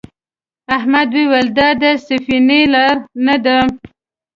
احمد وویل دا د سفینې لار نه ده.